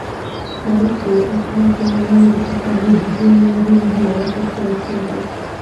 تاریخ د افغان کورنیو د پخوانیو دودونو یو ډېر مهم او اساسي عنصر دی.